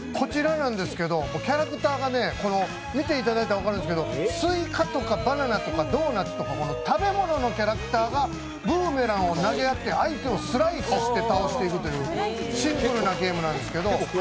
こちら、見ていただいたら分かるんですけど、キャラクターがね、スイカとかバナナとかドーナツとか食べ物のキャラクターがブーメランを投げ合って相手をスライスして倒していくというシンプルなゲームなんです。